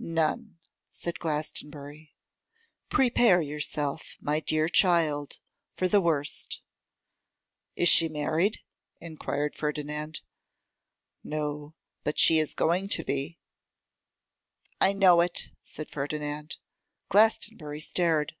'None!' said Glastonbury. 'Prepare yourself, my dear child, for the worst.' 'Is she married?' enquired Ferdinand. 'No; but she is going to be.' 'I know it,' said Ferdinand. Glastonbury stared.